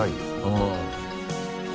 うん。